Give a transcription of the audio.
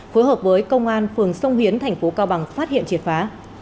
phối hợp với công an phường sông hiến tp cao bằng phát hiện triệt phá